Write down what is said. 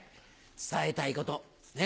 伝えたいことね？